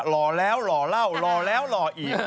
รอแล้วหล่อเล่าหล่อแล้วหล่ออีก